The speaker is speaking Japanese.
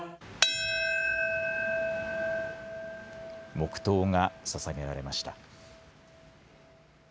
黙とうがささげられました。